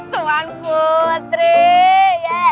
tuan putri yeay